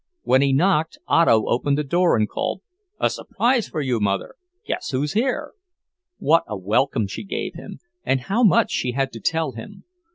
When he knocked, Otto opened the door and called: "A surprise for you, Mother! Guess who's here." What a welcome she gave him, and how much she had to tell him!